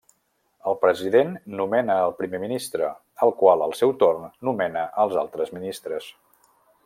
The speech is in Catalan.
El president nomena el primer ministre, el qual, al seu torn, nomena els altres ministres.